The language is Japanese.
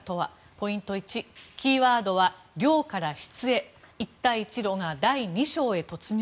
ポイント１キーワードは量から質へ一帯一路が第２章へ突入？